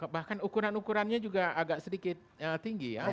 bahkan ukuran ukurannya juga agak sedikit tinggi ya